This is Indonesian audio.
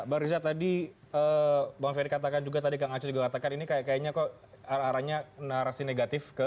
bang riza tadi bang ferry katakan juga tadi kang aceh juga katakan ini kayaknya kok arah arahnya narasi negatif ke